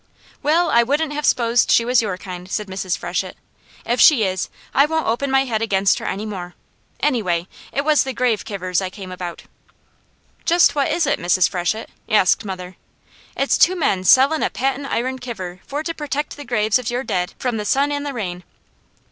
"Well, I wouldn't have s'posed she was your kind," said Mrs. Freshett. "If she is, I won't open my head against her any more. Anyway, it was the grave kivers I come about." "Just what is it, Mrs. Freshett?" asked mother. "It's two men sellin' a patent iron kiver for to protect the graves of your dead from the sun an' the rain."